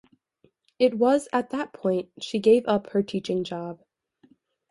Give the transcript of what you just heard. It was at that point she gave up her teaching job.